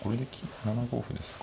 ７五歩ですか。